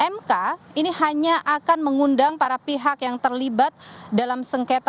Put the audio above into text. mk ini hanya akan mengundang para pihak yang terlibat dalam sengketa